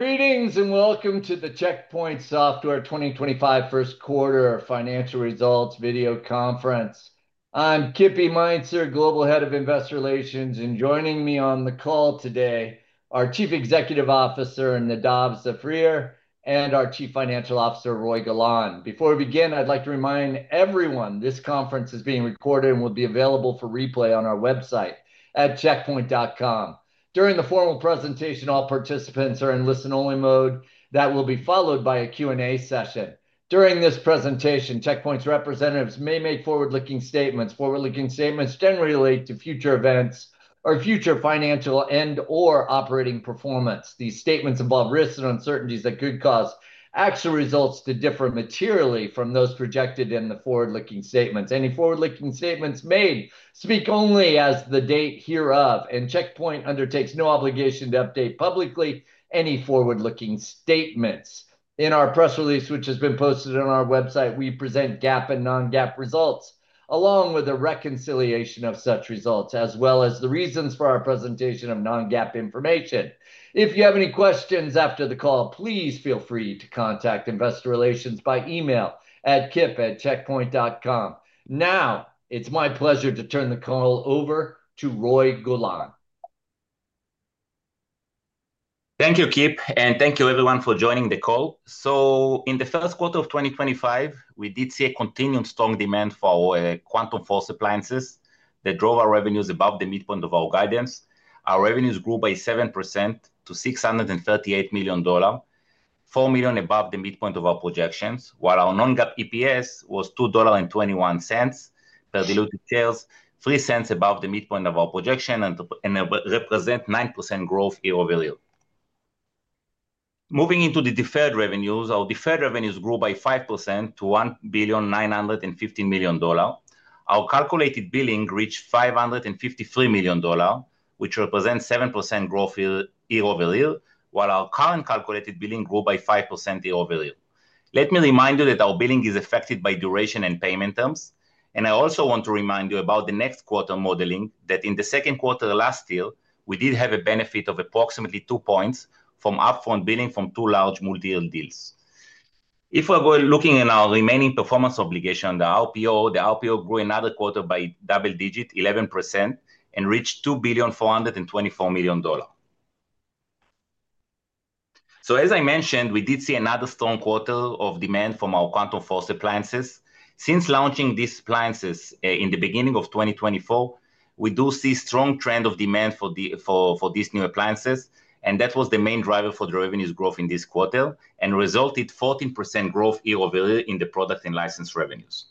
Greetings and welcome to the Check Point Software 2025 first quarter financial results video conference. I'm Kippy Meintzer, Global Head of Investor Relations, and joining me on the call today are Chief Executive Officer Nadav Zafrir and Chief Financial Officer Roei Golan. Before we begin, I'd like to remind everyone this conference is being recorded and will be available for replay on our website at checkpoint.com. During the formal presentation, all participants are in listen only mode. That will be followed by a Q&A session. During this presentation, Check Point's representatives may make forward looking statements. Forward looking statements generally refer to future events or future financial and or operating performance. These statements involve risks and uncertainties that could cause actual results to differ materially from those projected in the forward looking statements. Any forward looking statements made such speak only as the date hereof and Check Point undertakes no obligation to update publicly any forward looking statements. In our press release which has been posted on our website, we present GAAP and non-GAAP results along with a reconciliation of such results as well as the reasons for our presentation of non-GAAP information. If you have any questions after the call, please feel free to contact Investor Relations by email at kip@checkpoint.com. Now it's my pleasure to turn the call over to Roei Golan. Thank you Kip and thank you everyone for joining the call. In the first quarter of 2025 we did see a continuing strong demand for Quantum Force appliances that drove our revenues above the midpoint of our guidance. Our revenues grew by 7% to $638 million, $4 million above the midpoint of our projections, while our non-GAAP EPS was $2.21 per diluted shares, $0.03 above the midpoint of our projection and represent 9% growth year-over-year. Moving into the deferred revenues, our deferred revenues grew by 5% to $1,915,000,000 billion. Our calculated billing reached $553 million which represents 7% growth year-over-year, while our current calculated billing grew by 5% year-over-year. Let me remind you that our billing is affected by duration and payment terms and I also want to remind you about the next quarter modeling that in the second quarter last year we did have a benefit of approximately two points from upfront billing from two large multiyear deals. If we're looking at our remaining performance obligation, the RPO. The RPO grew another quarter by double digit 11% and reached $2,424,000,000. As I mentioned, we did see another strong quarter of demand from our Quantum Force Appliances since launching these appliances in the beginning of 2024. We do see strong trend of demand for these new appliances and that was the main driver for the revenues growth in this quarter and resulted 14% growth year-over-year in the product and license revenues.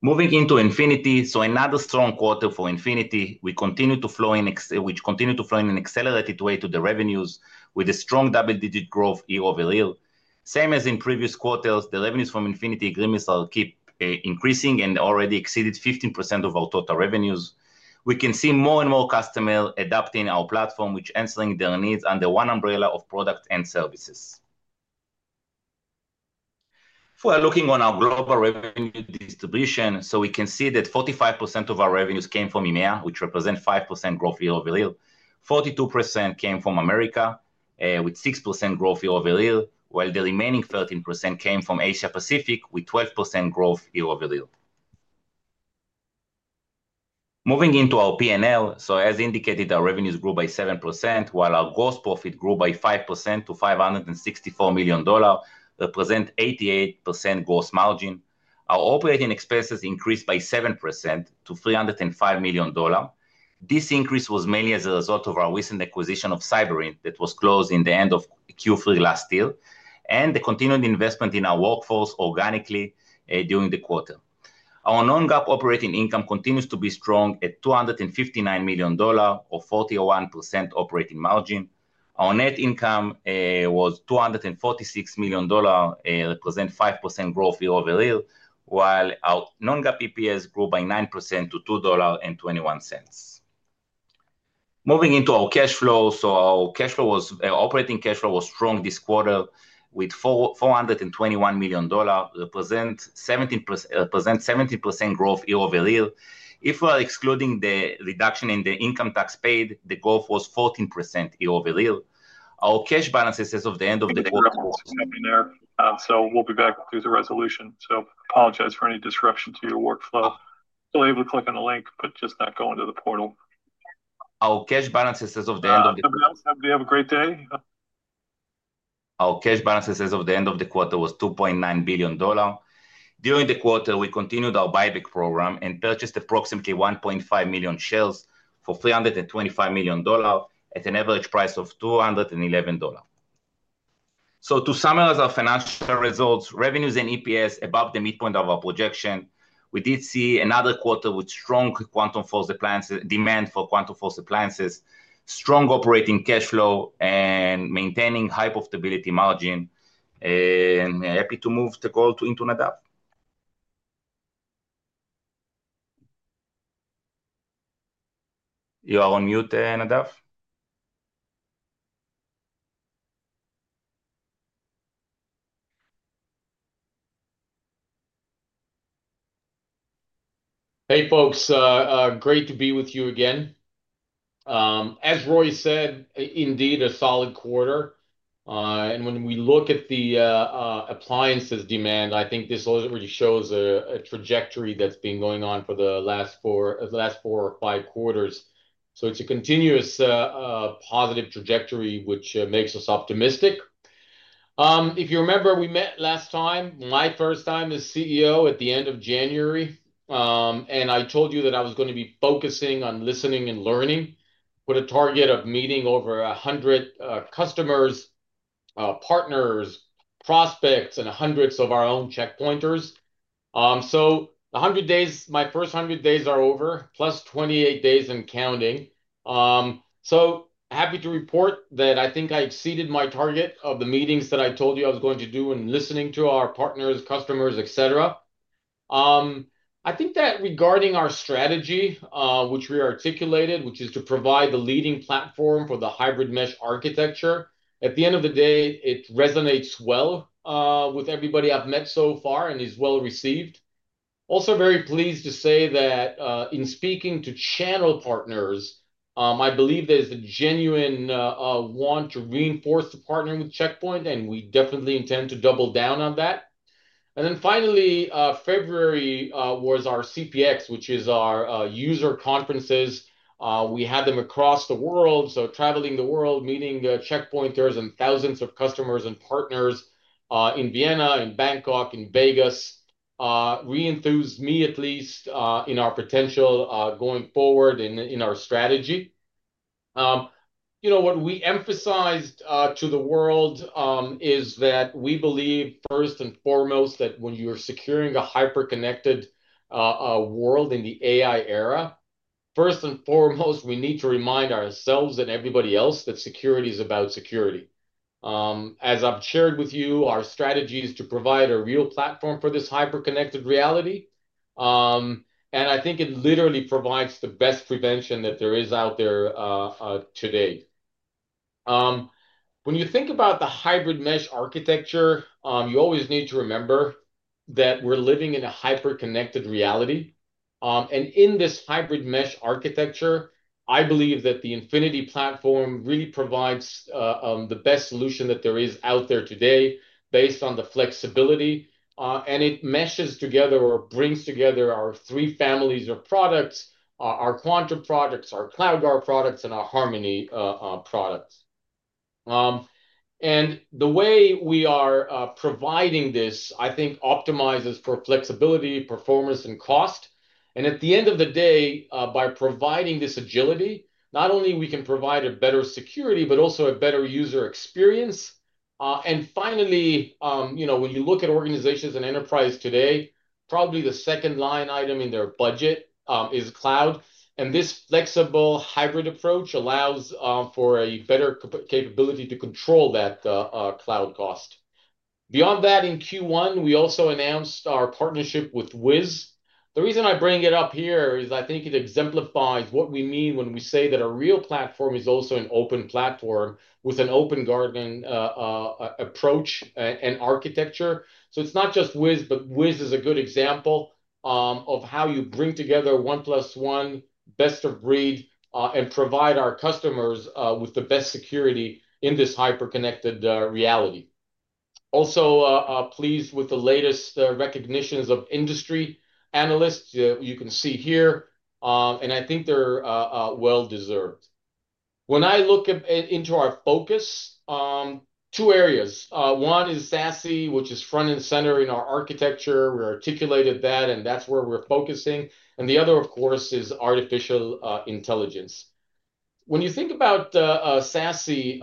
Moving into Infinity, another strong quarter for Infinity which continue to flow in an accelerated way to the revenues with a strong double-digit growth year over year. Same as in previous quarters, the revenues from Infinity agreements keep increasing and already exceeded 15% of our total revenues. We can see more and more customers adapting our platform which answering their needs under one umbrella of product and service. Looking on our global revenue distribution, we can see that 45% of our revenues came from EMEA which represent 5% growth year-over-year. 42% came from America with 6% growth year-over-year while the remaining 13% came from Asia Pacific with 12% growth year over year. Moving into our P&L, as indicated, our revenues grew by 7% while our gross profit grew by 5% to $564 million, representing 88% gross margin. Our operating expenses increased by 7% to $305 million. This increase was mainly as a result of our recent acquisition of Cyberint that was closed in the end of Q3 last year and the continued investment in our workforce organically. During the quarter, our non-GAAP operating income continues to be strong at $259 million or 41% operating margin. Our net income was $246 million, representing 5% growth year-over-year, while our non-GAAP EPS grew by 9% to $2.21. Moving into our cash flow. Our cash flow was operating cash flow was strong this quarter with $421 million, represent 17% growth year-over-year. If we are excluding the reduction in the income tax paid, the growth was 14% year-over-year. Our cash balances as of the end. We will be back through the resolution, so apologize for any disruption to your workflow. Still able to click on the link but just not going to the portal. Our cash balances as of the end. Of the year. Do you have a great day? Our cash balances as of the end of the quarter was $2.9 billion. During the quarter we continued our buyback program and purchased approximately 1.5 million shares for $325 million at an average price of $211. To summarize our financial results, revenues and EPS above the midpoint of our projection, we did see another quarter with strong quantum force demand for Quantum Force appliances, strong operating cash flow and maintaining high profitability margin. Happy to move the call to Nadav. You are on mute. Nadav. Hey folks, great to be with you again. As Roei said, indeed a solid quarter. When we look at the appliances demand, I think this already shows a trajectory that's been going on for the last four, last four or five quarters. It is a continuous positive trajectory, which makes us optimistic. If you remember, we met last time, my first time as CEO at the end of January, and I told you that I was going to be focusing on listening and learning with a target of meeting over 100 customers, partners, prospects and hundreds of our own Check Pointers. 100 days, my first hundred days are over plus 28 days and counting. Happy to report that I think I exceeded my target of the meetings that I told you I was going to do. Listening to our partners, customers, etc. I think that regarding our strategy, which we articulated, which is to provide the leading platform for the hybrid mesh architecture, at the end of the day, it resonates well with everybody I've met so far and is well received. Also very pleased to say that in speaking to channel partners, I believe there's a genuine want to reinforce the partner with Check Point and we definitely intend to double down on that. Finally, February was our CPX, which is our user conferences. We had them across the world. Traveling the world, meeting Check Pointers and thousands of customers and partners in Vienna, in Bangkok, in Vegas, re-enthused me, at least in our potential going forward in our strategy. What we emphasized to the world is that we believe first and foremost that when you're securing a hyperconnected world in the AI era, first and foremost we need to remind ourselves and everybody else that security is about security. As I've shared with you, our strategy is to provide a real platform for this hyperconnected reality. I think it literally provides the best prevention that there is out there today. When you think about the hybrid mesh architecture, you always need to remember that we're living in a hyperconnected reality. In this hybrid mesh architecture, I believe that the Infinity Platform really provides the best solution that there is out there today, based on the flexibility and it meshes together or brings together our three families of products, our Quantum products, our CloudGuard products, and our Harmony products. The way we are providing this, I think, optimizes for flexibility, performance and cost. At the end of the day, by providing this agility, not only can we provide better security, but also a better user experience. Finally, when you look at organizations and enterprise today, probably the second line item in their budget is cloud. This flexible hybrid approach allows for a better capability to control that cloud cost. Beyond that, in Q1 we also announced our partnership with Wiz. The reason I bring it up here is I think it exemplifies what we mean when we say that a real platform is also an open platform with an open garden approach and architecture. It's not just Wiz, but Wiz is a good example of how you bring together one plus one best of breed and provide our customers with the best security in this hyperconnected reality. Also pleased with the latest recognitions of industry analysts you can see here and I think they're well deserved. When I look into our focus, two areas. One is SASE, which is front and center in our architecture, we articulated that and that's where we're focusing. The other of course is artificial intelligence. When you think about SASE,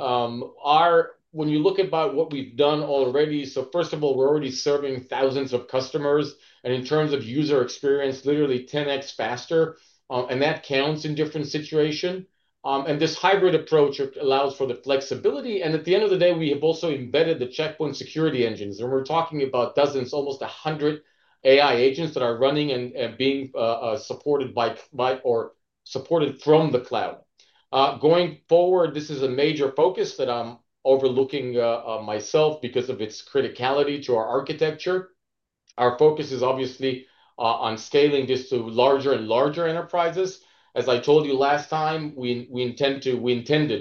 when you look at what we've done already. First of all, we're already serving thousands of customers and in terms of user experience, literally 10x faster and that counts in different situation. This hybrid approach allows for the flexibility. At the end of the day, we have also embedded the Check Point security engines and we're talking about dozens, almost 100 AI agents that are running and being supported by or supported from the cloud going forward. This is a major focus that I'm overlooking myself because of its criticality to our architecture. Our focus is obviously on scaling this to larger and larger enterprises. As I told you last time, we intended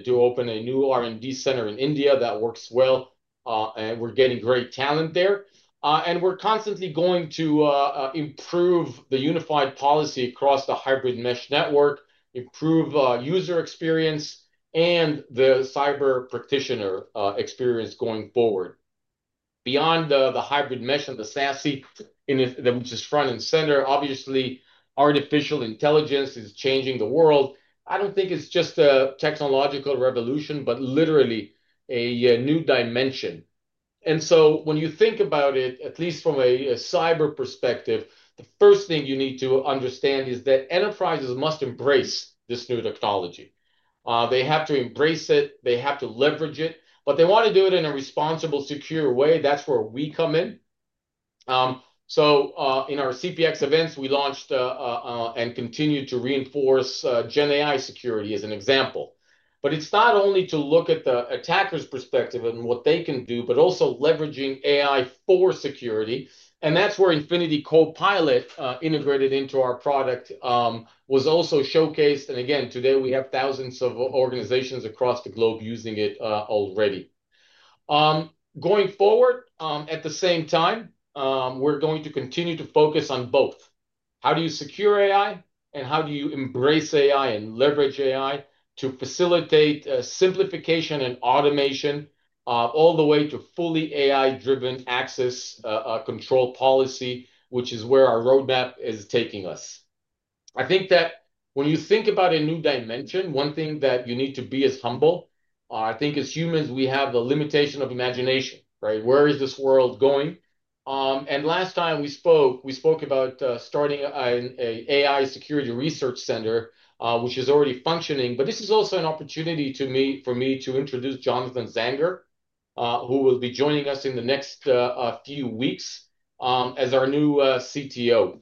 to open a new R&D center in India that works well and we're getting great talent there. We're constantly going to improve the unified policy across the hybrid mesh network, improve user experience and the cyber practitioner experience going forward. Beyond the hybrid mesh and the SASE, which is front and center, obviously artificial intelligence is changing the world. I don't think it's just a technological revolution, but literally a new dimension. When you think about it, at least from a cyber perspective, the first thing you need to understand is that enterprises must embrace this new technology. They have to embrace it, they have to leverage it, but they want to do it in a responsible, secure way. That's where we come in. In our CPX events, we launched and continued to reinforce Gen AI security as an example, but it's not only to look at the attacker's perspective and what they can do, but also leveraging AI for security. That's where Infinity Copilot integrated into our product was also showcased. Again today we have thousands of organizations across the globe using it already going forward. At the same time, we're going to continue to focus on both how do you secure AI and how do you embrace AI and leverage AI to facilitate simplification and automation all the way to fully AI driven access control policy, which is where our roadmap is taking us. I think that when you think about a new dimension, one thing that you need to be is humble. I think as humans we have the limitation of imagination. Where is this world going? Last time we spoke, we spoke about starting an AI security research center which is already functioning. This is also an opportunity for me to introduce Jonathan Zanger who will be joining us in the next few weeks as our new CTO.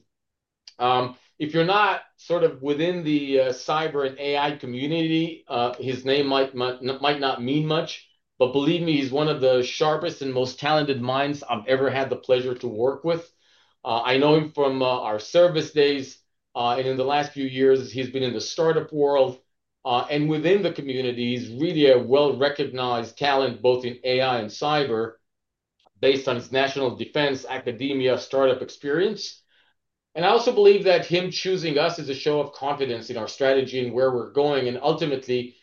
If you're not sort of within the cyber and AI community, his name might not mean much, but believe me, he's one of the sharpest and most talented minds I've ever had the pleasure to work with. I know him from our service days and in the last few years he's been in the startup world and within the community. He's really a well recognized talent both in AI and cyber, based on his national defense, academia, startup experience. I also believe that him choosing us is a show of confidence in our strategy and where we're going. Ultimately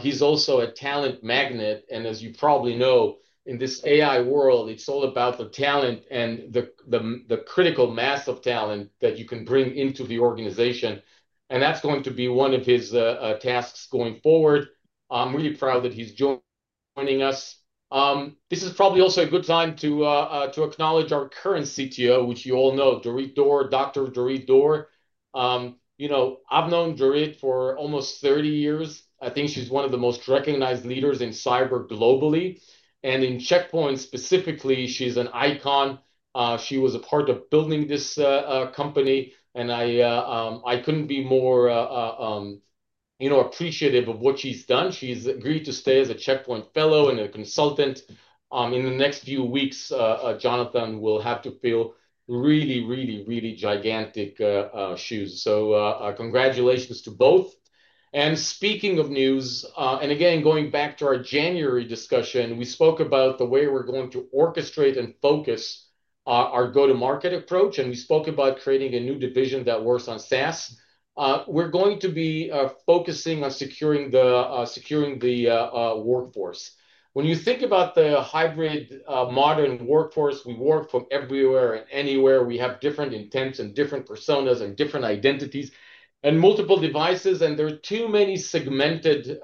he's also a talent magnet. As you probably know, in this AI world it's all about the talent and the critical mass of talent that you can bring into the organization. That's going to be one of his tasks going forward. I'm really proud that he's joining us. This is probably also a good time to acknowledge our current CTO, which you all know, Dr. Dorit Dor. You know, I've known Dorit for almost 30 years. I think she's one of the most recognized leaders in cyber globally and in Check Point specifically, she's an icon. She was a part of building this company and I couldn't be more, you know, appreciative of what she's done. She's agreed to stay as a Check Point fellow and a consultant. In the next few weeks, Jonathan will have to fill really, really, really gigantic shoes. Congratulations to both. Speaking of news, and again, going back to our January discussion, we spoke about the way we're going to orchestrate and focus our go to market approach and we spoke about creating a new division that works on SaaS. We're going to be focusing on securing the workforce. When you think about the hybrid modern workforce, we work from everywhere and anywhere. We have different intents, personas and different identities and multiple devices. There are too many segmented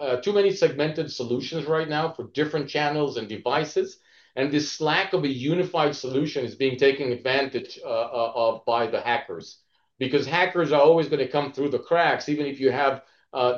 solutions right now for different channels and devices. This lack of a unified solution is being taken advantage of by the hackers because hackers are always going to come through the cracks. Even if you have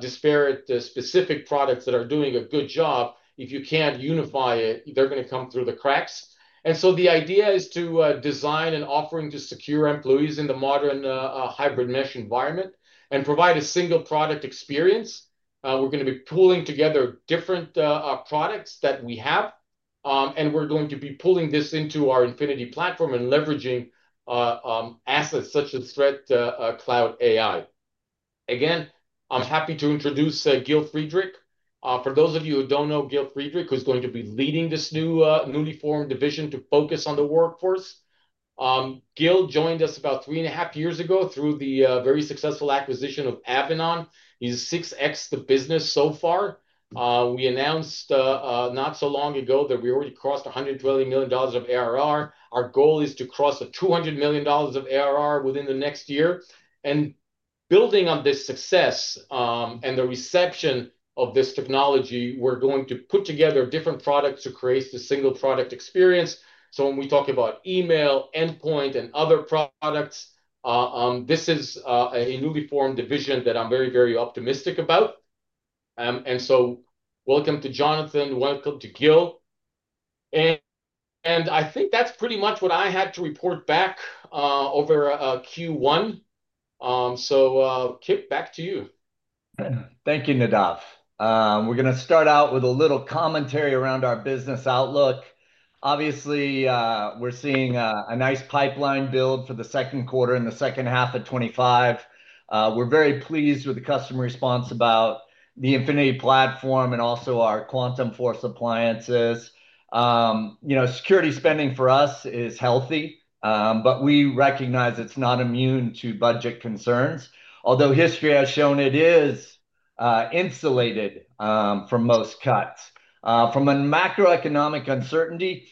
disparate specific products that are doing a good job, if you can't unify it, they're going to come through the cracks. The idea is to design an offering to secure employees in the modern hybrid mesh environment and provide a single product experience. We're going to be pulling together different products that we have and we're going to be pulling this into our Infinity Platform and leveraging assets such as ThreatCloud AI. Again, I'm happy to introduce Gil Friedrich. For those of you who don't know Gil Friedrich, who's going to be leading this newly formed division to focus on the workforce. Gil joined us about three and a half years ago through the very successful acquisition of Avanan. He's 6x the business so far. We announced not so long ago that we already crossed $120 million of ARR. Our goal is to cross $200 million of ARR within the next year. Building on this success and the reception of this technology, we're going to put together different products to create the single product experience. When we talk about email, endpoint and other products, this is a newly formed division that I'm very, very optimistic about. Welcome to Jonathan, welcome to Gil. I think that's pretty much what I had to report back over Q1. Kip, back to you. Thank you, Nadav. We're going to start out with a little commentary around our business outlook. Obviously, we're seeing a nice pipeline build for the second quarter in second half of 2025. We're very pleased with the customer response about the Infinity Platform and also our Quantum Force appliances. You know, security spending for us is healthy, but we recognize it's not immune to budget concerns. Although history has shown it is insulated from most cuts from a macroeconomic uncertainty,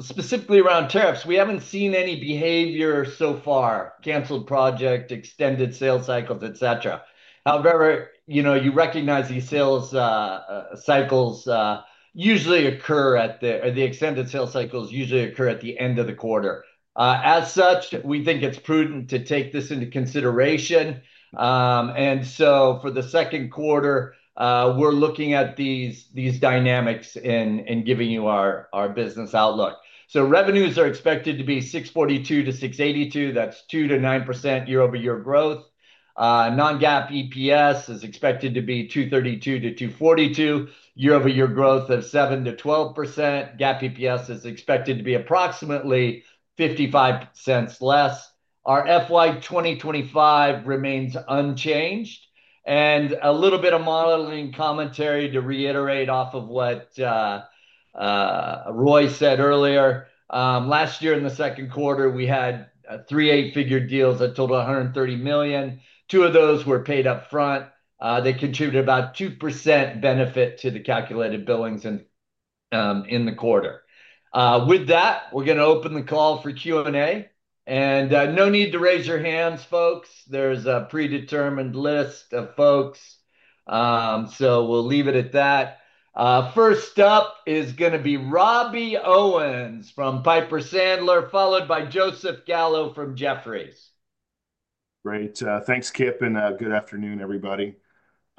specifically around tariffs. We haven't seen any behavior so far, canceled project, extended sales cycles, etc. However, you know, you recognize these sales cycles usually occur at the. The extended sales cycles usually occur at the end of the quarter. As such, we think it's prudent to take this into consideration. For the second quarter, we're looking at these, these dynamics and giving you our our business outlook. Revenues are expected to be $642 million-$682 million. That's 2%-9% year-over-year growth. Non-GAAP EPS is expected to be $2.32-$2.42, year-over-year growth of 7%-12%. GAAP EPS is expected to be approximately $0.55 less. Our FY 2025 remains unchanged. A little bit of modeling commentary to reiterate off of what Roei said earlier. Last year in the second quarter we had three eight-figure deals that totaled $130 million. Two of those were paid up front. They contributed about 2% benefit to the calculated billings in the quarter. With that, we're going to open the call for Q&A and no need to raise your hands folks. There's a predetermined list of folks so we'll leave it at that. First up is going to be Robbie Owens from Piper Sandler followed by Joseph Gallo from Jefferies. Great. Thanks Kip and good afternoon everybody.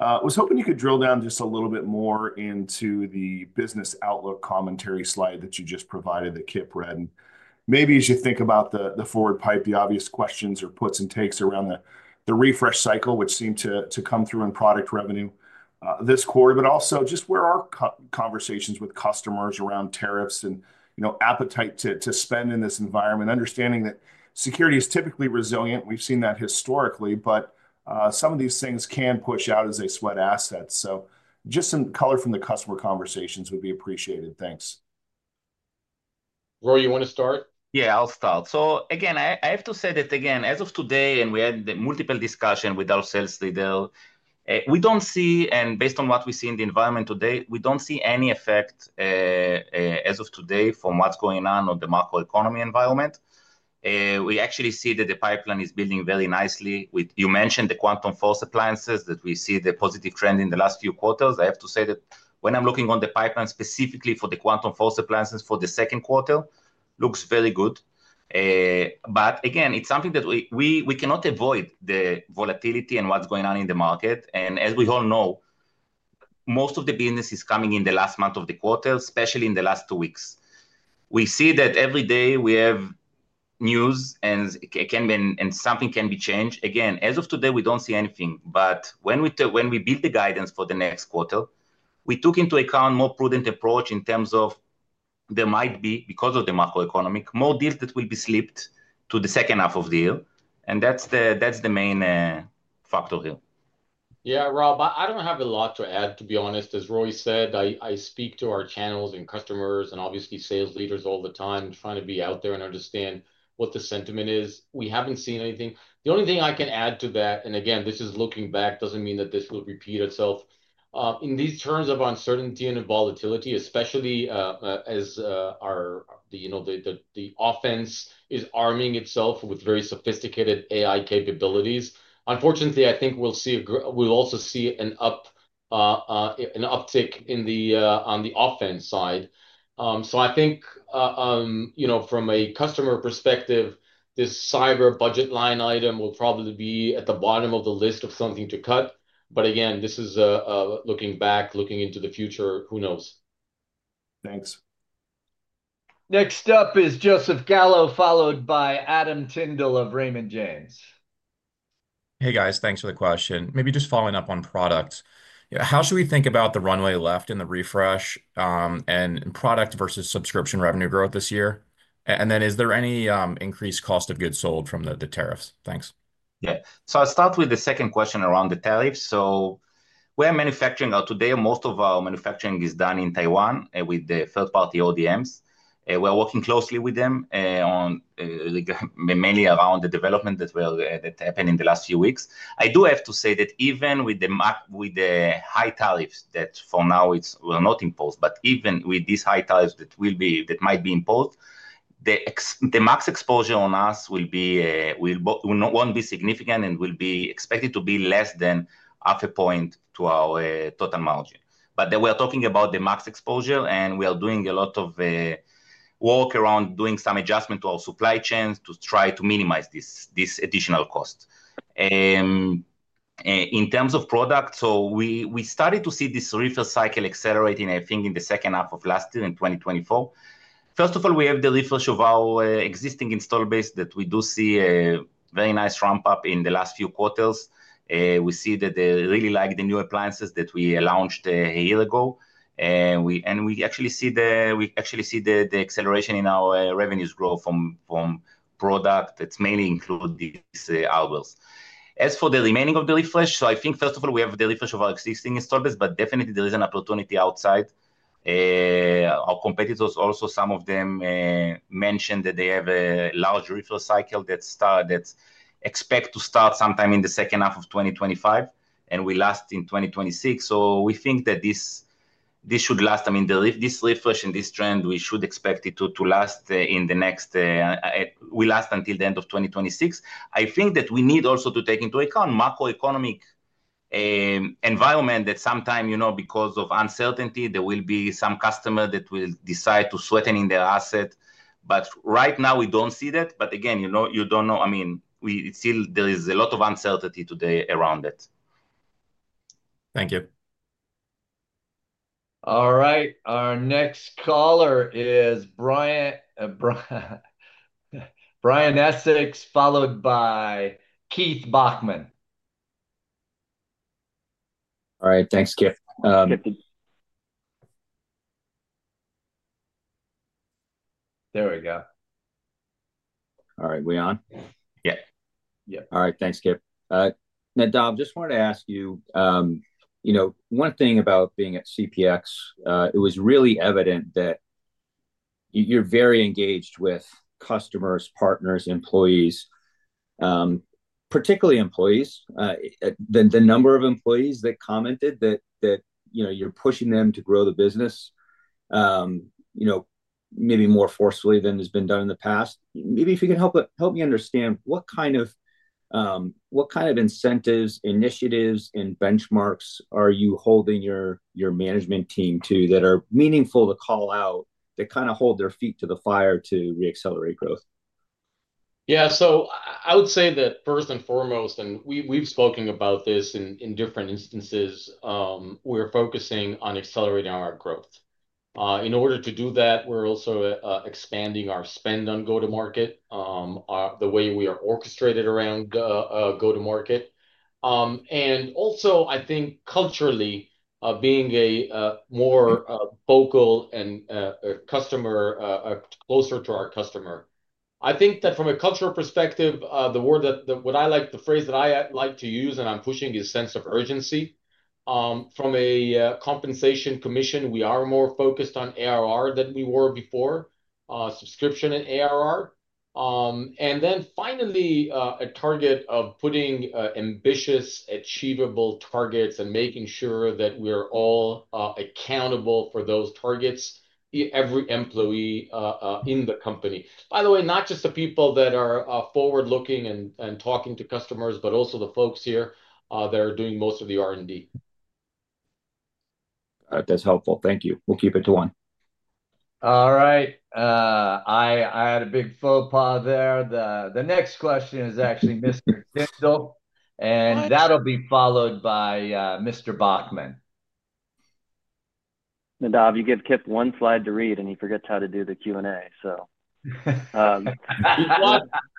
Was hoping you could drill down just a little bit more into the business outlook commentary slide that you just provided that Kip read. Maybe as you think about the forward pipe, the obvious questions or puts and takes around the refresh cycle which seemed to come through in product revenue this quarter, but also just where our conversations with customers around tariffs and appetite to spend in this environment, understanding that security is typically resilient, we've seen that historically. Some of these things can push out as they sweat assets. Just some color from the customer conversations would be appreciated. Thanks. Roei. You want to start? Yeah, I'll start. Again I have to say that again as of today and we had the multiple discussion with ourselves today, we don't see and based on what we see in the environment today, we don't see any effect as of today from what's going on on the macro economy environment, we actually see that the pipeline is building very nicely. You mentioned the Quantum Force appliances that we see the positive trend in the last few quarters. I have to say that when I'm looking on the pipeline specifically for the Quantum Force appliances for the second quarter looks very good. Again it's something that we cannot avoid the volatility and what's going on in the market and as we all know most of the business is coming in the last month of the quarter, especially in the last two weeks. We see that every day we have news and something can be changed. Again, as of today we do not see anything. When we build the guidance for the next quarter we took into account a more prudent approach in terms of there might be, because of the macroeconomic, more deals that will be slipped to the second half of the year. That is the main factor here. Yeah, Rob, I don't have a lot to add to be honest. As Roei said, I speak to our channels and customers and obviously sales leaders all the time trying to be out there and understand what the sentiment is. We haven't seen anything. The only thing I can add to that, and again this is looking back, doesn't mean that this will repeat itself in these terms of uncertainty and volatility, especially as our, you know, the offense is arming itself with very sophisticated AI capabilities. Unfortunately, I think we'll also see an uptick on the offense side. I think, you know, from a customer perspective this cyber budget line item will probably be at the bottom of the list of something to cut. Again, this is looking back, looking into the future, who knows. Thanks. Next up is Joseph Gallo, followed by Adam Tindle of Raymond James. Hey guys, thanks for the question. Maybe just following up on products. How should we think about the runway left in the refresh and product versus subscription revenue growth this year and then is there any increased cost of goods sold from the tariffs? Thanks. Yeah. I'll start with the second question around the tariffs. We are manufacturing today. Most of our manufacturing is done in Taiwan with the third party ODMs. We're working closely with them mainly around the development that happened in the last few weeks. I do have to say that even with the high tariffs that for now it will not impose. Even with these high tariffs that might be imposed, the max exposure on us will not be significant and will be expected to be less than half a point to our total margin. We are talking about the max exposure and we are doing a lot of work around doing some adjustment to our supply chains to try to minimize this additional cost. In terms of product, we started to see this refresh cycle accelerating I think in the second half of last year in 2024. First of all, we have the refresh of our existing install base that we do see a very nice ramp up in the last few quarters. We see that they really like the new appliances that we launched a year ago and we actually see the acceleration in our revenues growth from product that mainly include these hours as for the remaining of the refresh. I think first of all we have the refresh of our existing installers but definitely there is an opportunity outside our competitors. Also, some of them mentioned that they have a large refill cycle that is expected to start sometime in the second half of 2025 and will last in 2026. We think that this should last. I mean, this refresh in this trend, we should expect it to last in the next, we last until the end of 2026. I think that we need also to take into account macroeconomic environment that sometime, you know, because of uncertainty, there will be some customer that will decide to sweat in their asset. Right now we do not see that. Again, you know, you do not know. I mean, we still, there is a lot of uncertainty today around it. Thank you. All right, our next caller is Brian, Brian Essex, followed by Keith Bachman. All right, thanks, Kip. There we go. All right. We on? Yeah. Yeah. All right. Thanks Kip. Nadav, I just wanted to ask. You know, one thing about being at CPX. It was really evident that you're very engaged with customers, partners, employees, particularly employees. The number of employees that commented that you're pushing them to grow the business maybe more forcefully than has been done in the past. Maybe. If you can help me understand. What kind of incentives, initiatives and benchmarks? Are you holding your management team to? That are meaningful to call out? They kind of hold their feet to the fire to reaccelerate growth. Yeah. I would say that first and foremost, and we've spoken about this in different instances, we're focusing on accelerating our growth. In order to do that, we're also expanding our spend on go to market. The way we are orchestrated around go to market. I think culturally being a more vocal and customer closer to our customer. I think that from a cultural perspective, the word that what I like the phrase that I like to use and I'm pushing is sense of urgency from a compensation commission. We are more focused on ARR than we were before subscription and ARR. Finally a target of putting ambitious, achievable targets and making sure that we are all accountable for those targets. Every employee in the company, by the way, not just the people that are forward looking and talking to customers, but also the folks here that are doing most of the R&D. That's helpful. Thank you. We'll keep it to one. All right. I had a big faux pas there. The next question is actually Mr. Tindle, and that'll be followed by Mr. Bachman. Nadav. You give Kip one slide to read and he forgets how to do the Q&A.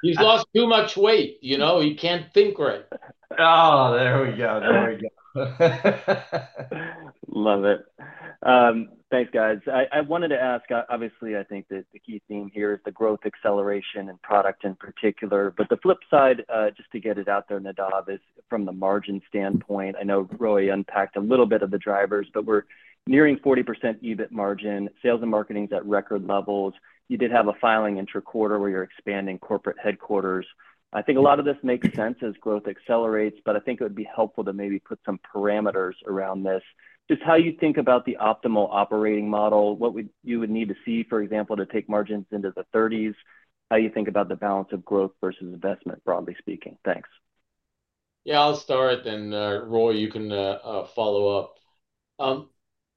He's lost too much weight, you know, he can't think right. Oh, there we go, go. Love it. Thanks guys. I wanted to ask, obviously I think that the key theme here is the growth acceleration and product in particular. The flip side, just to get it out there, Nadav, is from the margin standpoint. I know Roei unpacked a little bit of the drivers, but we're nearing 40% EBIT margin. Sales and marketing's at record levels. You did have a filing intra quarter where you're expanding corporate headquarters. I think a lot of this makes sense as growth accelerates, but I think it would be helpful to maybe put some parameters around this, just how you think about the optimal operating model. What you would need to see, for example, to take margins into the 30s, how you think about the balance of growth versus investment, broadly speaking. Thanks. Yeah, I'll start and Roei, you can follow up.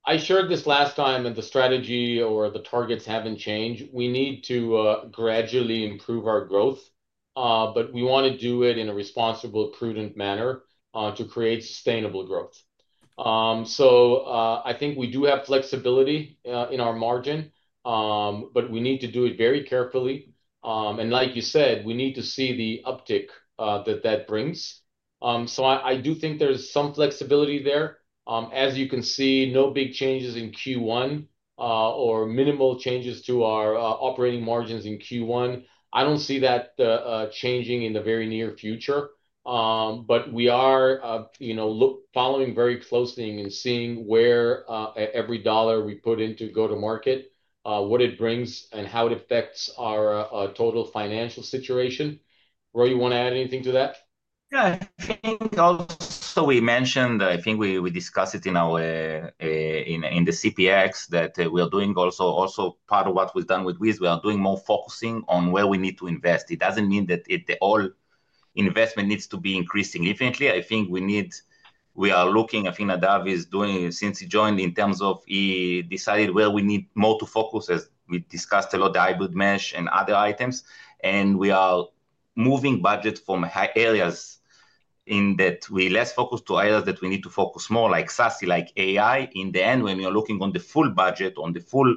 I shared this last time and the strategy or the targets haven't changed. We need to gradually improve our growth, but we want to do it in a responsible, prudent manner to create sustainable growth. I think we do have flexibility in our margin, but we need to do it very carefully. Like you said, we need to see the uptick that that brings. I do think there's some flexibility there. As you can see, no big changes in Q1 or minimal changes to our operating margins in Q1. I don't see that changing in the very near future. We are, you know, following very closely and seeing where every dollar we put into go to market, what it brings and how it affects our total financial situation. Roei, you want to add anything to? Yeah, so we mentioned, I think we discussed it in our, in the CPX that we are doing also, also part of what we've done with Wiz. We are doing more focusing on where we need to invest. It doesn't mean that the all investment needs to be increasingly. I think we need, we are looking, I think Nadav is doing since he joined in terms of he decided well we need more to focus as we discussed a lot hybrid, mesh and other items. We are moving budget from areas in that we less focus to areas that we need to focus more. Like SASE, like AI. In the end, when you're looking on the full budget, on the full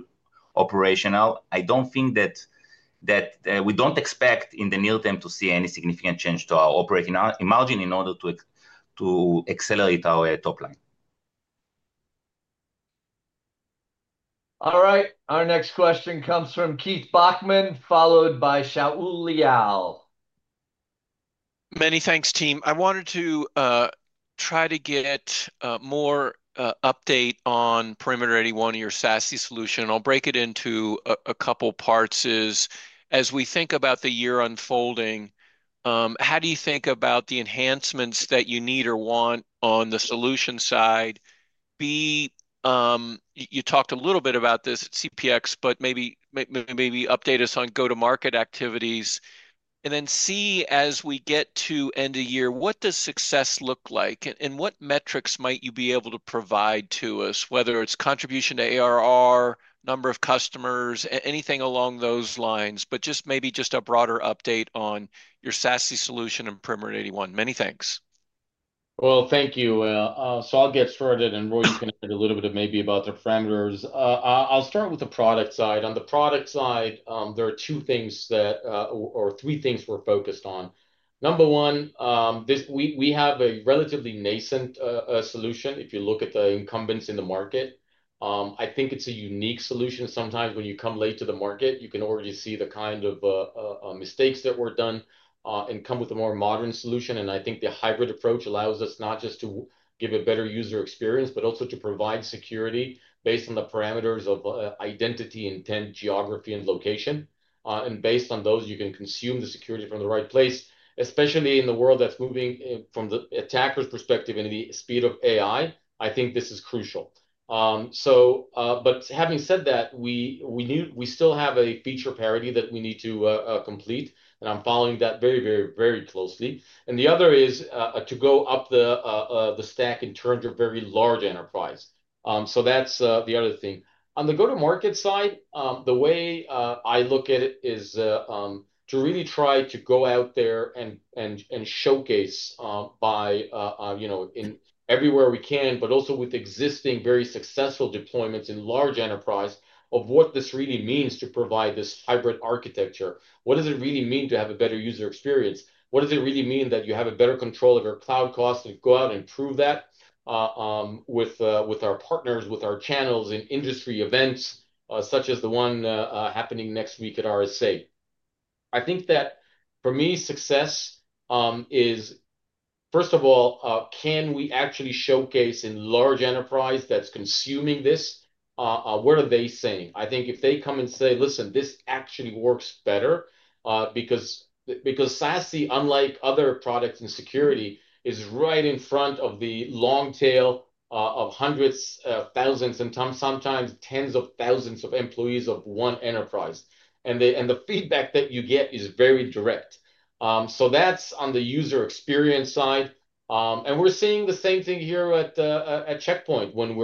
operational. I don't think that we don't expect in the near term to see any significant change to our operating margin in order to accelerate our top. All right, our next question comes from Keith Bachman followed by Shaul Eyal. Many thanks team. I wanted to try to get more update on Perimeter 81, your SASE solution. I'll break it into a couple parts. As we think about the year unfolding, how do you think about the enhancements that you need or want on the solution side? You talked a little bit about this at CPX, but maybe update us on go to market activities and then see as we get to end of year, what does success look like and what metrics might you be able to provide to us? Whether it's contribution to ARR, number of customers, anything along those lines, but just maybe just a broader update on your SASE solution and Perimeter 81. Many thanks. Thank you. I'll get started and Roei can add a little bit of maybe about the parameters. I'll start with the product side. On the product side there are two things or three things we're focused on. Number one, we have a relatively nascent solution. If you look at the incumbents in the market, I think it's a unique solution. Sometimes when you come late to the market, you can already see the kind of mistakes that were done and come with a more modern solution. I think the hybrid approach allows us not just to give a better user experience, but also to provide security based on the parameters of identity, intent, geography, and location. Based on those, you can consume the security from the right place, especially in the world that's moving from the attacker's perspective in the speed of AI. I think this is crucial. Having said that, we still have a feature parity that we need to complete and I'm following that very, very, very closely. The other is to go up the stack in terms of very large enterprise. The other thing on the go to market side, the way I look at it is to really try to go out there and showcase everywhere we can, but also with existing very successful deployments in large enterprise of what this really means to provide this hybrid architecture. What does it really mean to have a better user experience? What does it really mean that you have a better control of your cloud costs and go out and prove that with our partners, with our channels in industry events such as the one happening next week at RSA. I think that for me success is first of all, can we actually showcase in large enterprise that's consuming this? What are they saying? I think if they come and say, listen, this actually works better because SASE, unlike other products and security, is right in front of the long tail of hundreds, thousands and sometimes tens of thousands of employees of one enterprise. The feedback that you get is very direct. That is on the user experience side. We are seeing the same thing here at Check Point. Once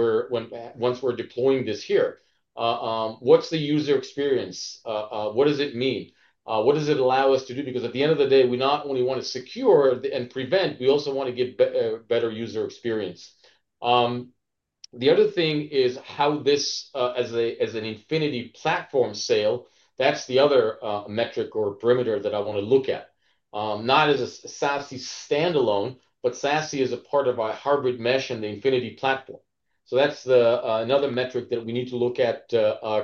we are deploying this here, what is the user experience? What does it mean? What does it allow us to do? Because at the end of the day, we not only want to secure and prevent, we also want to get better user experience. The other thing is how this as an Infinity Platform sale, that's the other metric or perimeter that I want to look at, not as a SASE standalone, but SASE is a part of our hybrid mesh and the Infinity platform. That is another metric that we need to look at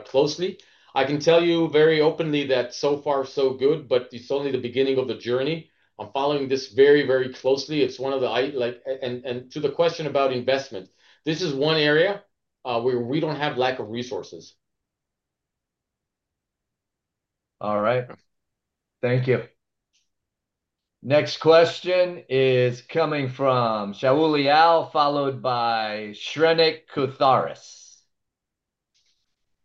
closely. I can tell you very openly that so far so good, but it's only the beginning of the journey. I'm following this very, very closely. It's one of the I like. To the question about investment, this is one area where we don't have lack of resources. All right, thank you. Next question is coming from Shaul Eyal, followed by Shrenik Kothari.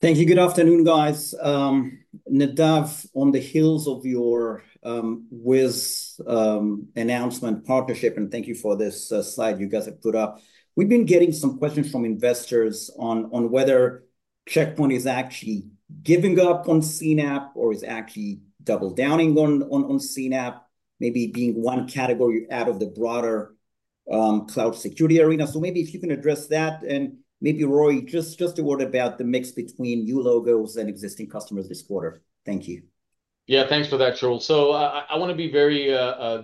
Thank you. Good afternoon, guys. Nadav, on the heels of your Wiz announcement partnership and thank you for this slide you guys have put up, we've been getting some questions from investors on whether Check Point is actually giving up on CNAPP or is actually double downing on CNAPP maybe being one category you add of the broader cloud security arena. If you can address that and maybe Roei, just a word about the mix between new logos and existing customers this quarter. Thank you. Yeah, thanks for that, Cheryl. I want to be very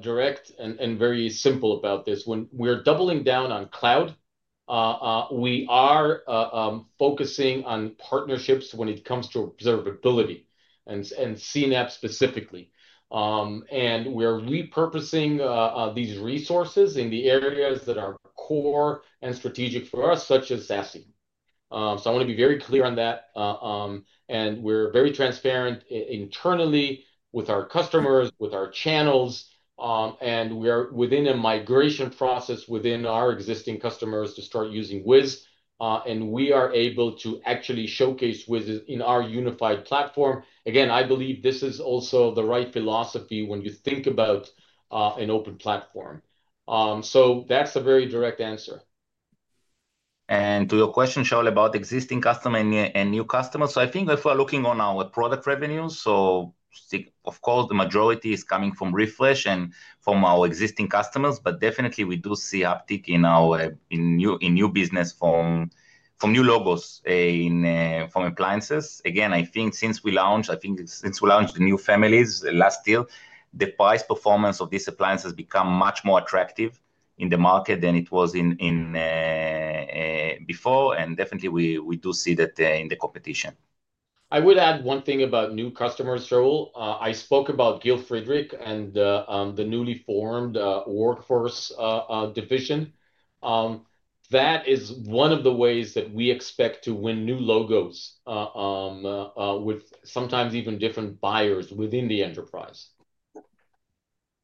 direct and very simple about this. When we're doubling down on cloud, we are focusing on partnerships when it comes to observability and CNAPP specifically. We are repurposing these resources in the areas that are core and strategic for us, such as SASE. I want to be very clear on that. We're very transparent internally with our customers, with our channels, and we are within a migration process within our existing customers to start using Wiz. We are able to actually showcase Wiz in our unified platform. I believe this is also the right philosophy when you think about an open platform. That's a very direct answer. To your question, Shaul, about existing customer and new customers. I think if we're looking on our product revenues, of course the majority is coming from refresh and from our existing customers, but definitely we do see uptick in our new business from new logos, from appliances. Again, I think since we launched, I think since we launched the new families last year, the price performance of these appliances become much more attractive in the market than it was before. Definitely we do see that in the competition. I would add one thing about new customers, Shaul. I spoke about Gil Friedrich and the newly formed workforce division. That is one of the ways that we expect to win new logos with sometimes even different buyers within the enterprise.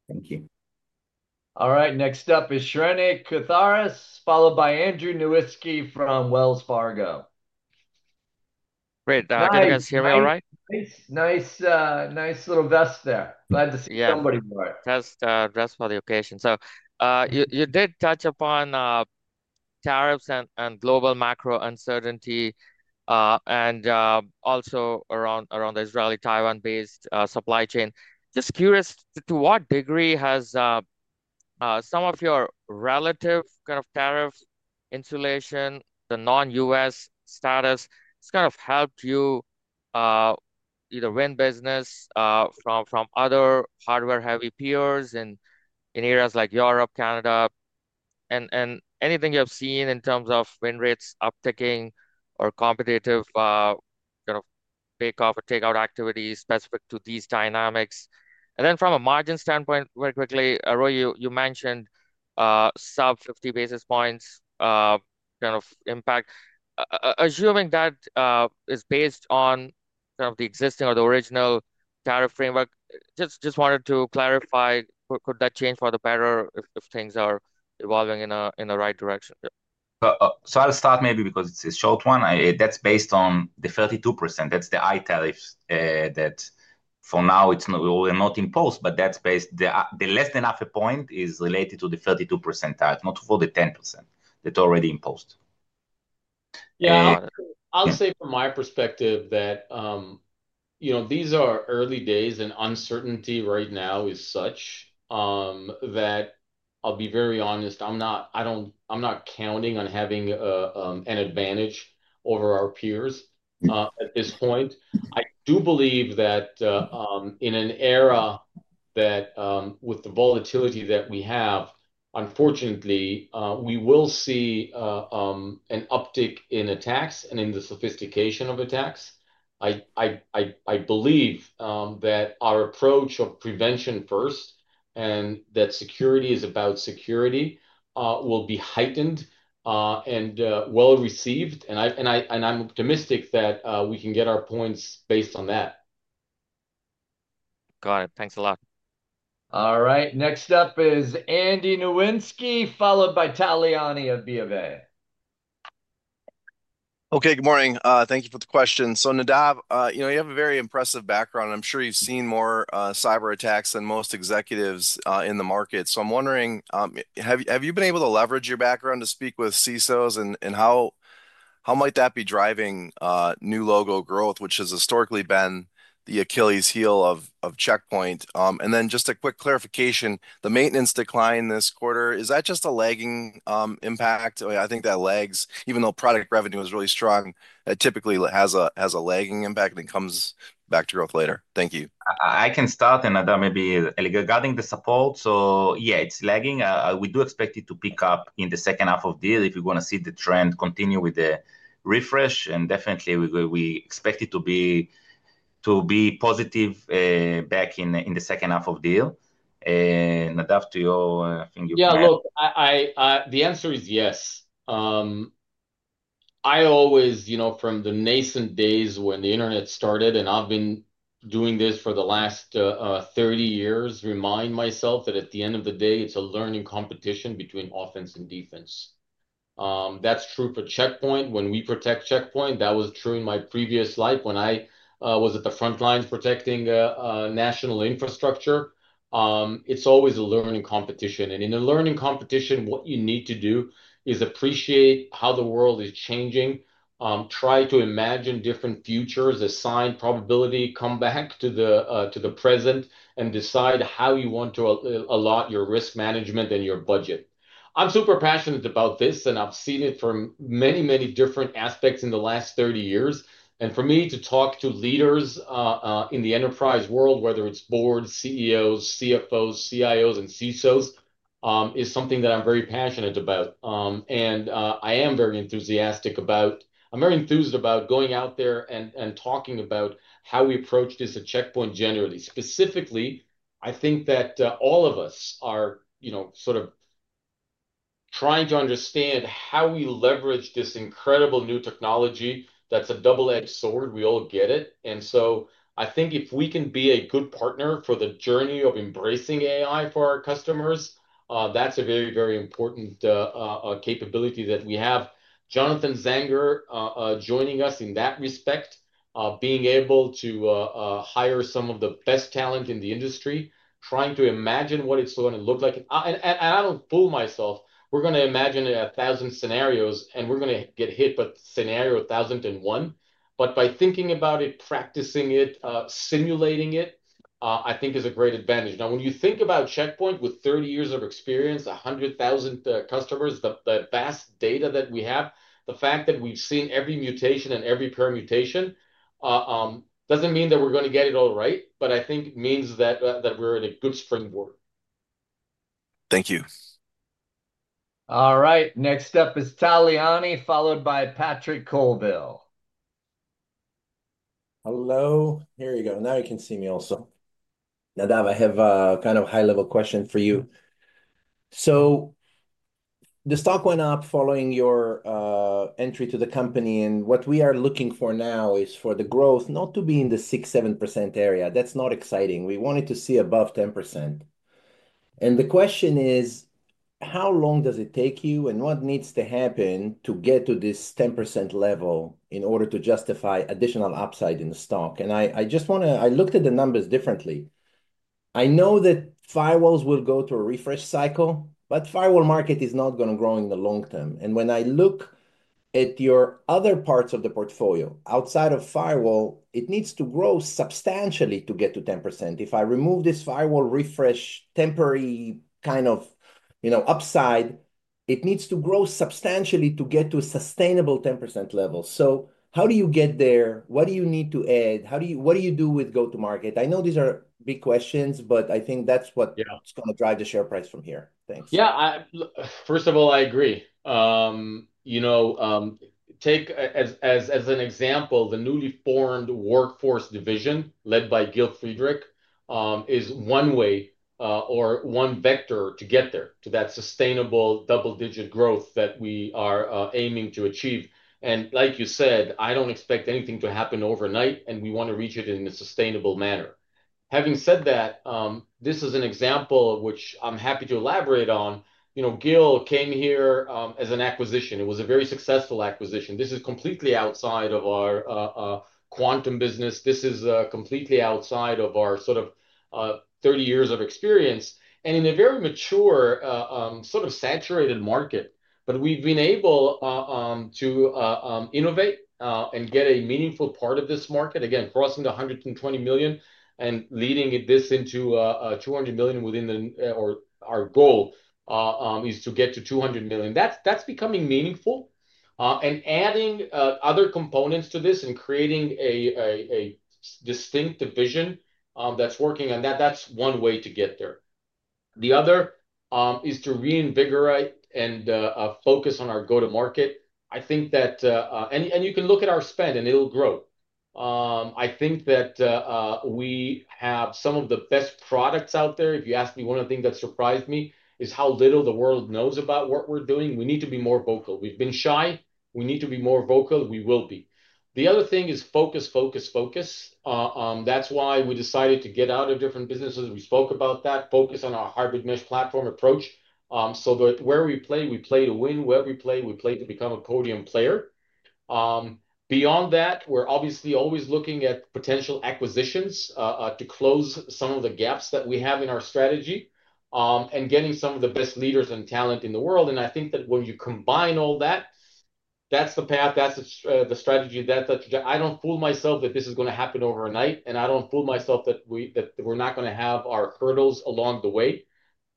Thank you. All right, next up is Shrenik Kothari followed by Andrew Nowinski from Wells Fargo. Great. Can you guys hear me all right? Nice, nice little vest. Glad to see somebody. Test dress for the occasion. You did touch upon tariffs and global macro uncertainty and also around the Israeli Taiwan based supply chain. Just curious to what degree has some of your relative kind of tariffs insulation? The non U.S. status has kind of helped you either win business from other hardware heavy peers and in areas like Europe, Canada and anything you have seen in terms of win rates, upticking or competitive kind of take off or take out activities specific to these dynamics. From a margin standpoint, very quickly, Roei, you mentioned sub 50 basis points kind of impact assuming that is based on the existing or the original tariff framework. Just wanted to clarify could that change for the better if things are evolving in the right direction? I'll start maybe because it's a short one. That's based on the 32%—that's the italics—that for now it's not imposed. That's based—the less than half a point is related to the 32 percentile, not for the 10% that's already imposed. Yeah, I'll say from my perspective that, you know, these are early days and uncertainty right now is such that I'll be very honest. I'm not, I don't, I'm not counting on having an advantage over our peers at this point. I do believe that in an era that with the volatility that we have, unfortunately we will see an uptick in attacks and in the sophistication of attacks. I believe that our approach of prevention first and that security is about security will be heightened and well received and I'm optimistic that we can get our points based on. Got it. Thanks. All right, next up is Andy Nowinski followed by Tal Liani of BofA. Okay, good morning. Thank you for the question. Nadav, you have a very impressive background. I'm sure you've seen more cyber attacks than most executives in the market. I'm wondering, have you been able to leverage your background to speak with CISOs? How might that be driving new logo growth, which has historically been the Achilles heel of Check Point? Just a quick clarification, the maintenance decline this quarter, is that just a lagging impact? I think that lags even though product revenue is really strong. That typically has a lagging impact and comes back to growth later. Thank you. I can start another maybe regarding the support. Yeah, it's lagging. We do expect it to pick up in the second half of this if you're going to see the trend continue with the refresh and definitely we expect it to be positive back in, in the second half of deal and adapt to you. I think. Yeah, look, I. The answer is yes. I always, you know, from the nascent days when the Internet started, and I've been doing this for the last 30 years, remind myself that at the end of the day it's a learning competition between offense and defense. That's true for Check Point when we protect Check Point. That was true in my previous life when I was at the front lines protecting national infrastructure. It's always a learning competition. In a learning competition, what you need to do is appreciate how the world is changing, try to imagine different futures, assign probability, come back to the present and decide how you want to allot your risk management and your budget. I'm super passionate about this and I've seen it from many, many different aspects in the last 30 years. For me to talk to leaders in the enterprise world, whether it's boards, CEOs, CFOs, CIOs and CISOs, is something that I'm very passionate about and I am very enthusiastic about. I'm very enthused about going out there and talking about how we approach this at Check Point. Generally, specifically, I think that all of us are sort of trying to understand how we leverage this incredible new technology. That's a double edged sword. We all get it. I think if we can be a good partner for the journey of embracing AI for our customers, that's a very, very important capability that we have. Jonathan Zanger joining us in that respect. Being able to hire some of the best talent in the industry, trying to imagine what it's going to look like and I don't fool myself, we're going to imagine a thousand scenarios and we're going to get hit by scenario 1001. By thinking about it, practicing it, simulating it, I think is a great advantage. Now when you think about Check Point, with 30 years of experience, a hundred thousand customers, the vast data that we have, the fact that we've seen every mutation and every permutation doesn't mean that we're going to get it all right. I think it means that we're at a good springboard. Thank you. All right, next up is Tal Liani, followed by Patrick Colville. Hello. Here you go. Now you can see me. Also, Nadav, I have a kind of high level question for you. The stock went up following your entry to the company. What we are looking for now is for the growth not to be in the 6%-7% area. That is not exciting. We wanted to see above 10%. The question is, how long does it take you and what needs to happen to get to this 10% level in order to justify additional upside in the stock? I just want to, I looked at the numbers differently. I know that firewalls will go to a refresh cycle, but firewall market is not going to grow in the long term. When I look at your other parts of the portfolio outside of firewall, it needs to grow substantially to get to 10%. If I remove this firewall refresh temporary kind of, you know, upside down, it needs to grow substantially to get to a sustainable 10% level. So how do you get there? What do you need to add? How do you, what do you do with go to market? I know these are big questions, but I think that's what's going to drive the share price from here. Thanks. Yeah. First of all, I agree, you know, take as as an example, the newly formed workforce division led by Gil Friedrich is one way or one vector to get there to that sustainable double digit growth that we are aiming to achieve. Like you said, I don't expect anything to happen overnight and we want to reach it in a sustainable manner. Having said that, this is an example which I'm happy to elaborate on. You know, Gil came here as an acquisition. It was a very successful acquisition. This is completely outside of our Quantum business. This is completely outside of our sort of 30 years of experience and in a very mature sort of saturated market. We've been able to innovate and get a meaningful part of this market. Again, crossing the $120 million and leading this into $200 million within the ARR. Our goal is to get to $200 million. That's becoming meaningful and adding other components to this and creating a distinct division that's working on that. That's one way to get there. The other is to reinvigorate and focus on our go to market. I think that you can look at our spend and it'll grow. I think that we have some of the best products out there, if you ask me. One thing that surprised me is how little the world knows about what we're doing. We need to be more vocal. We've been shy. We need to be more vocal. We will be. The other thing is focus, focus, focus. That's why we decided to get out of different businesses. We spoke about that. Focus on our hybrid mesh platform approach so that where we play, we play to win. Where we play, we play to become a podium player. Beyond that, we're obviously always looking at potential acquisitions to close some of the gaps that we have in our strategy and getting some of the best leaders and talent in the world. I think that when you combine all that, that's the path, that's the strategy, that I don't fool myself that this is going to happen overnight, and I don't fool myself that we're not going to have our hurdles along the way.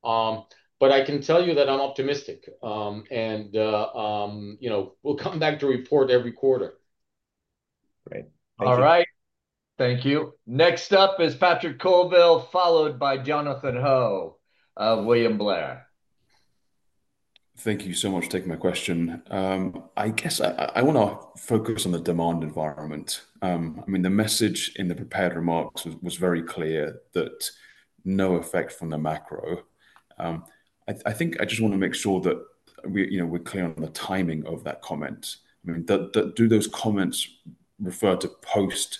I can tell you that I'm optimistic and you know, we'll come back to report every quarter. Great. All right, thank you. Next up is Patrick Colville, followed by Jonathan Ho, William Blair. Thank you so much for taking my question. I guess I want to focus on the demand environment. I mean, the message in the prepared remarks was very clear that no effect from the macro. I think I just want to make sure that we're clear on the timing of that comment. Do those comments refer to post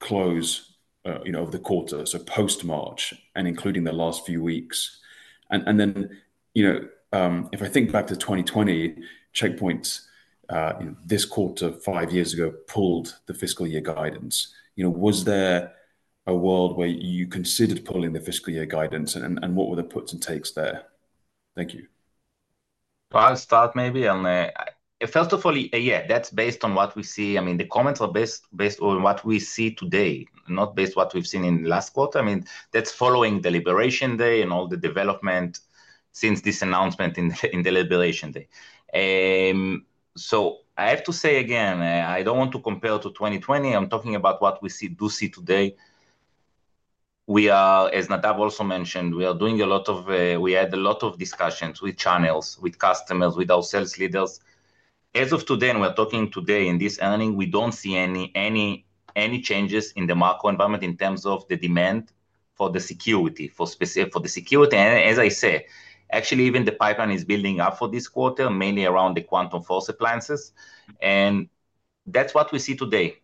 close of the quarter? So post March and including the last few weeks and then, you know, if I think back to 2020 Check Point's this quarter, five years ago, pulled the fiscal year guidance. Was there a world where you considered pulling the fiscal year guidance and what were the puts and takes there? Thank you. I'll start maybe first of all, yeah, that's based on what we see. I mean the comments are based on what we see today, not based on what we've seen in last quarter. I mean, that's following the Liberation Day and all the development since this announcement in the Liberation Day. I have to say again, I don't want to compare to 2020. I'm talking about what we see, do see today. We are, as Nadav also mentioned, we are doing a lot of, we had a lot of discussions with channels, with customers, with our sales leaders as of today. We're talking today in this earning. We don't see any, any, any changes in the macro environment in terms of the demand for the security for specific for the security. As I said, actually even the pipeline is building up for this quarter mainly around the Quantum Force appliances and that's what we see today.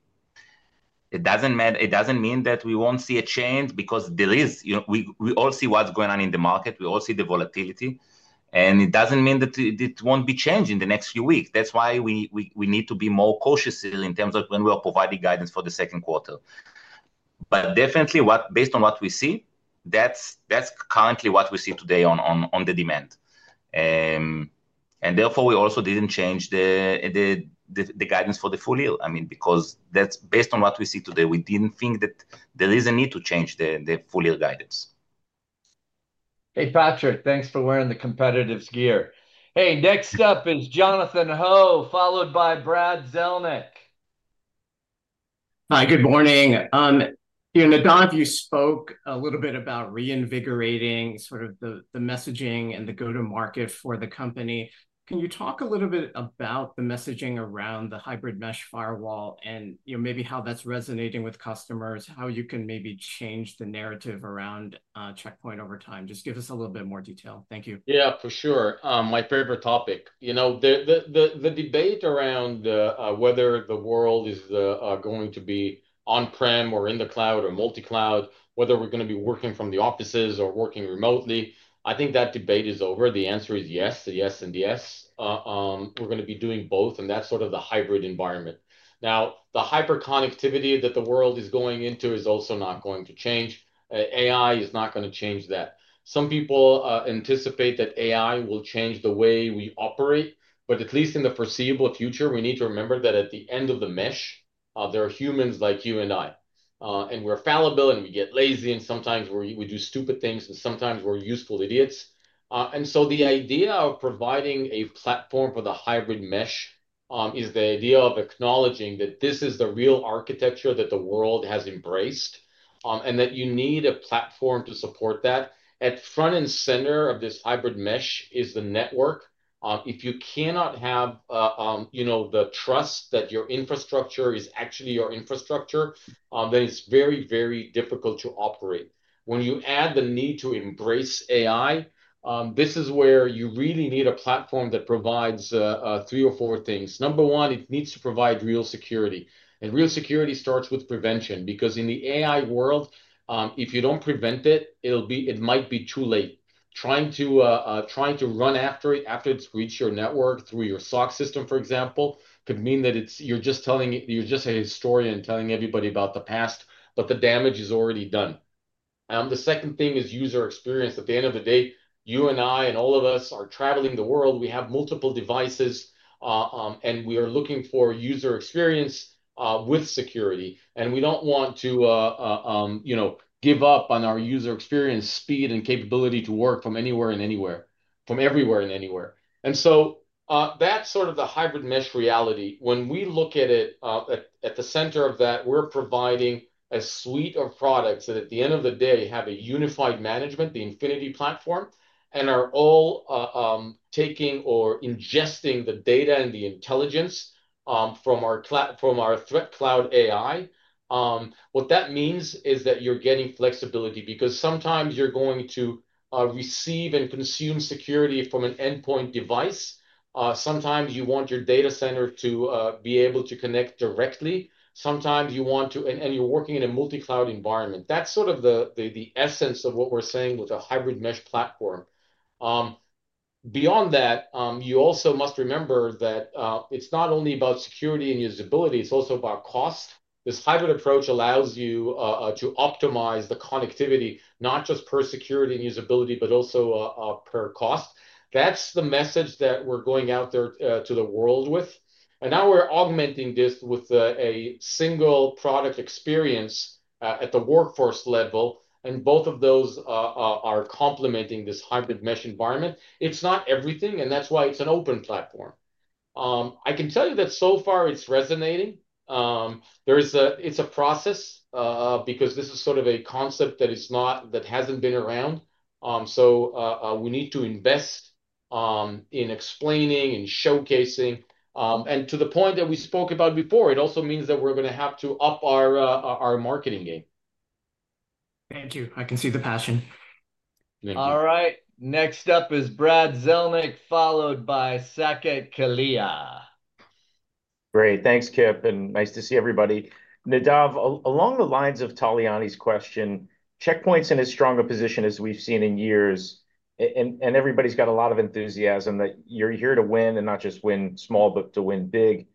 It doesn't matter. It doesn't mean that we won't see a change because there is, you know, we all see what's going on in the market, we all see the volatility and it doesn't mean that it won't be changed in the next few weeks. That is why we need to be more cautious in terms of when we are providing guidance for the second quarter. Definitely based on what we see, that's currently what we see today on the demand. Therefore we also didn't change the guidance for the full year. I mean because that's based on what we see today. We didn't think that there is a need to change the full year guidance. Hey Patrick, thanks for wearing the competitives gear. Hey. Next up is Jonathan Ho, followed by Brad Zelnick. Hi, good morning. Nadav. You spoke a little bit about reinvigorating sort of the messaging and the go to market for the company, can you talk a little bit about the messaging around the hybrid mesh firewall and maybe how that's resonating with customers, how you can maybe change the narrative around Check Point over time. Just give us a little bit more detail. Thank you. Yeah, for sure. My favorite topic, the debate around whether the world is going to be on prem or in the cloud or multi cloud, whether we're going to be working from the offices or working remotely. I think that debate is over. The answer is yes, yes and yes. We're going to be doing both. And that's sort of the hybrid environment. Now the hyper connectivity that the world is going into is also not going to change. AI is not going to change that. Some people anticipate that AI will change the way we operate. At least in the foreseeable future we need to remember that at the end of the mesh there are humans like you and I and we're fallible and we get lazy and sometimes we do stupid things and sometimes we're useful idiots. The idea of providing a platform for the hybrid mesh is the idea of acknowledging that this is the real architecture that the world has embraced and that you need a platform to support that. At front and center of this hybrid mesh is the network. If you cannot have the trust that your infrastructure is actually your infrastructure, then it's very, very difficult to operate. When you add the need to embrace AI, this is where you really need a platform that provides three or four things. Number one, it needs to provide real security. Real security starts with prevention. Because in the AI world, if you do not prevent, it might be too late. Trying to run after it, after it has reached your network through your SOC system, for example, could mean that you are just a historian telling everybody about the past, but the damage is already done. The second thing is user experience. At the end of the day, you and I and all of us are traveling the world, we have multiple devices and we are looking for user experience with security. We do not want to, you know, give up on our user experience, speed, and capability to work from anywhere and everywhere. That is sort of the hybrid mesh reality when we look at it. At the center of that we're providing a suite of products that at the end of the day have a unified management, the Infinity Platform, and are all taking or ingesting the data and the intelligence from our ThreatCloud AI. What that means is that you're getting flexibility because sometimes you're going to receive and consume security from an endpoint device. Sometimes you want your data center to be able to connect directly, sometimes you want to and you're working in a multi-cloud environment. That's sort of the essence of what we're saying with a hybrid mesh platform. Beyond that, you also must remember that it's not only about security and usability, it's also about cost. This hybrid approach allows you to optimize the connectivity not just per security and usability, but also per cost. That's the message that we're going out there to the world with. We're augmenting this with a single product experience at the workforce level. Both of those are complementing this hybrid mesh environment. It's not everything and that's why it's an open platform. I can tell you that so far it's resonating, it's a process because this is sort of a concept that is not. That hasn't been around. We need to invest in explaining and showcasing and to the point that we spoke about before, it also means that we're going to have to up our marketing game. Thank you. I can see the passion. All right, next up is Brad Zelnick, followed by Saket Kalia. Great. Thanks, Kip, and nice to see everybody. Nadav, along the lines of Tal Liani's question, Check Point's in as strong a position as we've seen in years. Everybody's got a lot of enthusiasm that you're here to win and not just win small, but to win big.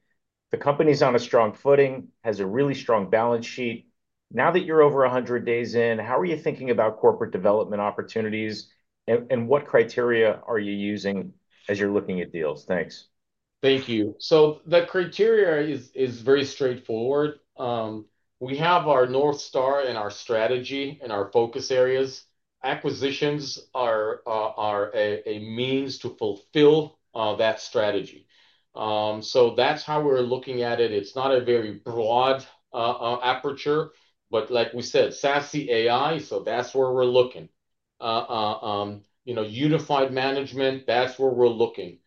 The company's on a strong footing, has a really strong balance sheet. Now that you're over 100 days in, how are you thinking about corporate development opportunities and what criteria are you using as you're looking at deals? Thanks. Thank you. The criteria is very straightforward. We have our North Star in our strategy and our focus areas. Acquisitions are a means to fulfill that strategy. That's how we're looking at it. It's not a very broad aperture, but like we said, SASE, AI. That's where we're looking. You know, unified management, that's where we're looking.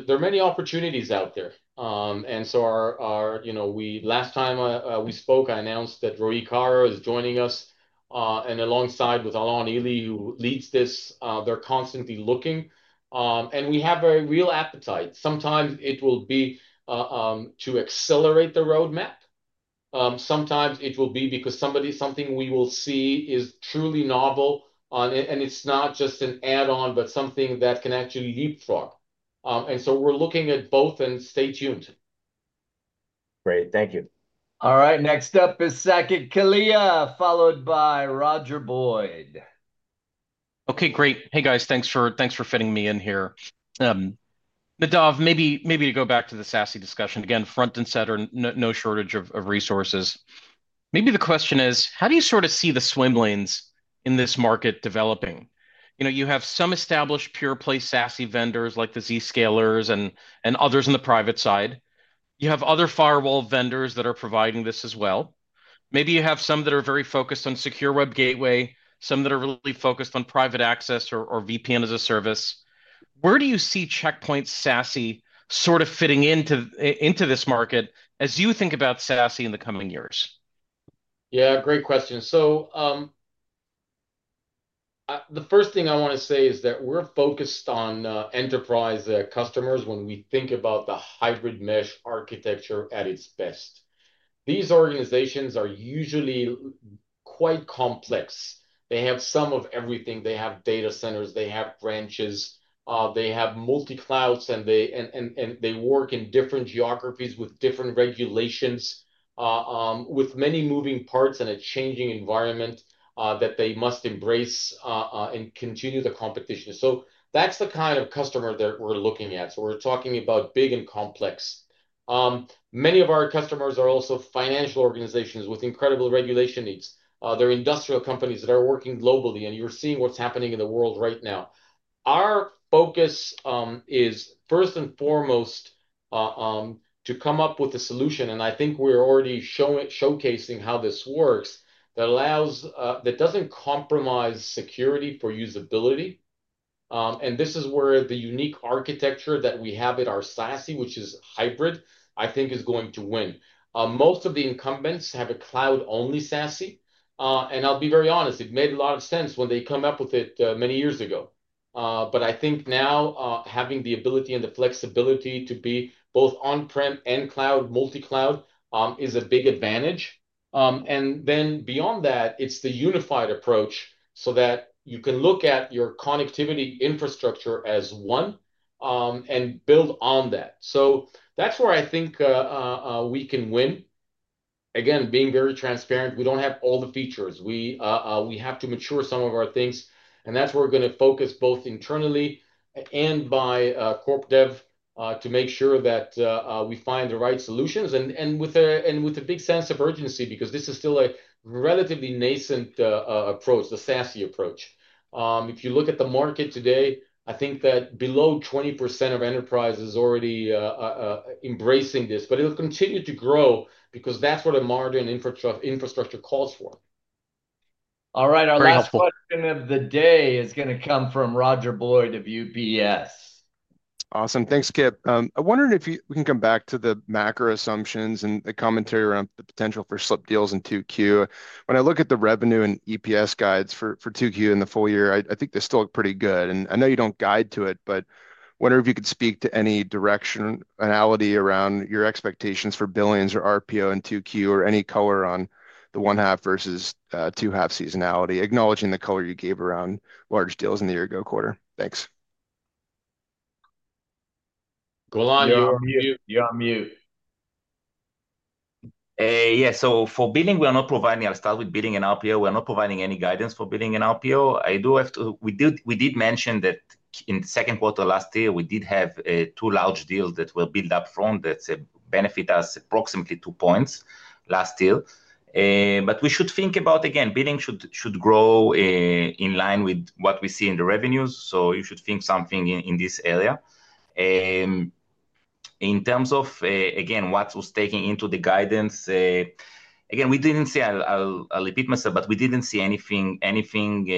There are many opportunities out there. Our, you know, we. Last time we spoke, I announced that Roi Karo is joining us and alongside with Alon Ely who leads this. They are constantly looking and we have a real appetite. Sometimes it will be to accelerate the roadmap, sometimes it will be because something we will see is truly novel and it is not just an add on, but something that can actually leapfrog. We are looking at both. Stay tuned. Great, thank you. You. All right, next up is Saket Kalia, followed by Roger Boyd. Okay, great. Hey guys, thanks for, thanks for fitting me in here. Nadav, maybe, maybe to go back to the SASE discussion again, front and center. No shortage of resources. Maybe the question is how do you sort of see the swim lanes in this market developing? You have some established pure play SASE vendors like the Zscalers and others. On the private side, you have other firewall vendors that are providing this as well. Maybe you have some that are very focused on secure web gateway, some that are really focused on private access or VPN as a service. Where do you see Check Point SASE sort of fitting into this market as you think about SASE in the coming years? Yeah, great question. The first thing I want to say is that we're focused on enterprise customers. When we think about the hybrid mesh architecture at its best, these organizations are usually quite complex. They have some of everything. They have data centers, they have branches, they have multi clouds, and they work in different geographies with different regulations, with many moving parts and a changing environment that they must embrace and continue the competition. That is the kind of customer that we're looking at. We're talking about big and complex. Many of our customers are also financial organizations with incredible regulation needs. They're industrial companies that are working globally, and you're seeing what's happening in the world right now. Our focus is first and foremost to come up with a solution, and I think we're already showcasing how this works, that allows, that doesn't compromise security for usability. This is where the unique architecture that we have at our SASE, which is hybrid, I think is going to win. Most of the incumbents have a cloud-only SASE and I'll be very honest, it made a lot of sense when they came up with it many years ago. I think now having the ability and the flexibility to be both on-prem and cloud, multi-cloud is a big advantage. Beyond that, it's the unified approach so that you can look at your connectivity infrastructure as one and build on that. That's where I think we can win again, being very transparent. We don't have all the features. We have to mature some of our things and that's where we're going to focus both internally and by corp dev to make sure that we find the right solutions and with a big sense of urgency because this is still a relatively nascent approach, the SASE approach. If you look at the market today, I think that below 20% of enterprises already embracing this, but it'll continue to grow because that's what a margin infrastructure calls. All right, our last question of the day is going to come from Roger Boyd of UBS. Awesome. Thanks, Kip. I wondered if you can come back to the macro assumptions and the commentary around the potential for slip deals in 2Q. When I look at the revenue and EPS guides for 2Q in the full year, I think they still look pretty good. I know you do not guide to it, but wonder if you could speak to any directionality around your expectations for billings or RPO in 2Q or any color on the 1/2 versus 2/2 seasonality acknowledging the color you gave around large deals in the year ago quarter. Thanks. Go. You're on mute. Yeah. For billing we are not providing. I'll start with billing and RPO. We're not providing any guidance for billing and RPO. I do have to. We did, we did mention that in the second quarter last year we did have two large deals that were billed up front. That benefited us approximately 2 points last year. We should think about again, billing should, should grow in line with what we see in the revenues. You should think something in this area in terms of again what was taken into the guidance again. We didn't see. I'll repeat myself, but we didn't see anything, anything,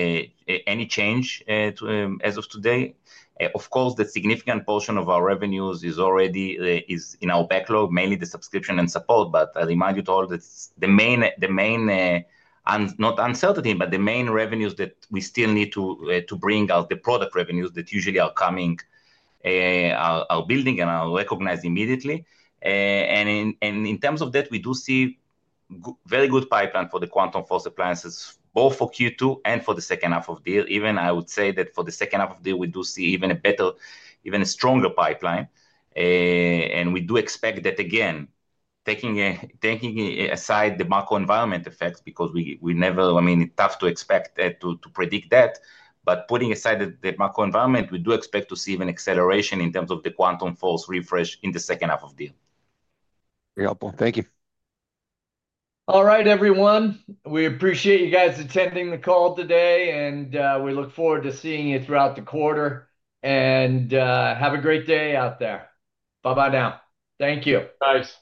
any change as of today. Of course, the significant portion of our revenues is already in our backlog, mainly the subscription and support. I remind you all that the main, the main not uncertainty, but the main revenues that we still need to bring out are the product revenues that usually are coming, are building, and are recognized immediately. In terms of that, we do see very good pipeline for the Quantum Force appliances both for Q2 and for the second half of the year even. I would say that for the second half of the year, we do see even a better, even a stronger pipeline, and we do expect that again, taking aside the macro environment effects because we never, I mean, it's tough to expect, to predict that. Putting aside the macro environment, we do expect to see even acceleration in terms of the Quantum Force refresh in the second half of the year. Very helpful. Thank. All right everyone, we appreciate you guys attending the call today and we look forward to seeing you throughout the quarter and have a great day out there. Bye bye now. Thank you. Nice.